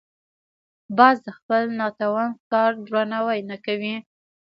باز د خپل ناتوان ښکار درناوی نه کوي